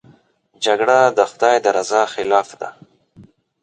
جګړه د خدای د رضا خلاف ده